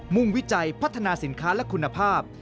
่งวิจัยพัฒนาสินค้าและคุณภาพ